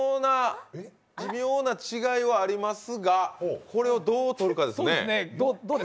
微妙な違いはありますが、これをどうとるかですね。